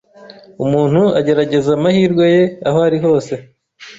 umuntu ageragereza amahirwe ye aho ari hose